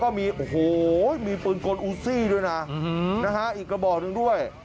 ตอนนี้ก็ยิ่งแล้ว